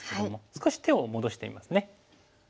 少し手を戻してみますね。